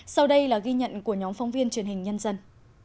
sau đây là ghi nhận của nhóm phóng viên truyền hình nhân dân